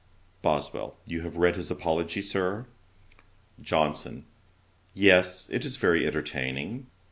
BOSWELL. 'You have read his apology, Sir?' JOHNSON. 'Yes, it is very entertaining.